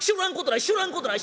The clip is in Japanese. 知らんことない。